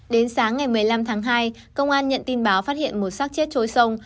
đến sáng ngày một mươi năm tháng hai công an nhận tin báo phát hiện một sát chết chối sông